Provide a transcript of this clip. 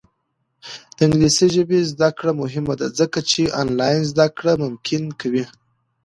د انګلیسي ژبې زده کړه مهمه ده ځکه چې آنلاین زدکړه ممکنه کوي.